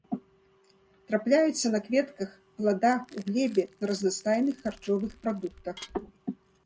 Трапляюцца на кветках, пладах, у глебе, на разнастайных харчовых прадуктах.